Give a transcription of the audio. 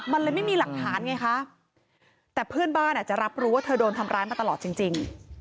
มันเลยไม่มีหลักฐานไงคะแต่เพื่อนบ้านอาจจะรับรู้ว่าเธอโดนทำร้ายมาตลอดจริง